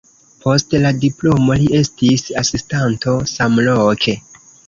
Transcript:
Post la diplomo li estis asistanto samloke.